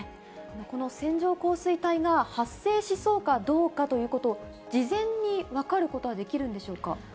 この線状降水帯が発生しそうかどうかということ、事前に分かることはできるんでしょうか？